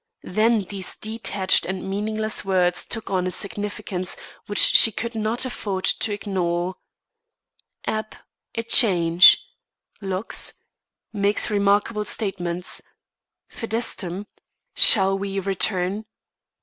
Then these detached and meaningless words took on a significance which she could not afford to ignore: Ap A change. Lox Makes remarkable statements. Fidestum Shall we return?